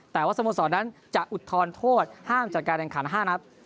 แต่ว่าสโมสรนั้นจะอุทธรณ์โทษห้ามจัดการแข่งขัน๕นัด